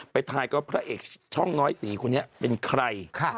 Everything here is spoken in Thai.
ไปถ่ายเราก็ว่าพระเอกช่องน้อยสี่คนนี้เป็นใคร